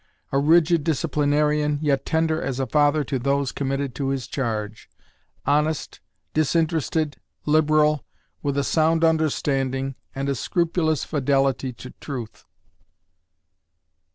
A rigid disciplinarian, yet tender as a father to those committed to his charge; honest, disinterested, liberal, with a sound understanding and a scrupulous fidelity to truth.